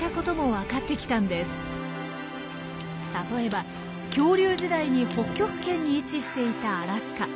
例えば恐竜時代に北極圏に位置していたアラスカ。